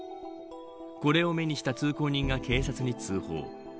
これを目にした通行人が警察に通報。